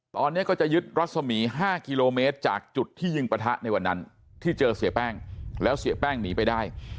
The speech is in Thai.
ตอนนี้ก็จะยึดรัศมี๕กิโลเมตรจากจุดที่ยิงปะทะในวันนั้นที่เจอเสียแป้งแล้วเสียแป้งหนีไปได้